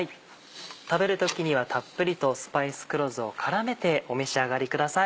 食べる時にはたっぷりとスパイス黒酢を絡めてお召し上がりください。